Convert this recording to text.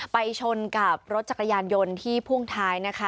ไปชนกับรถจักรยานยนต์ที่พ่วงท้ายนะคะ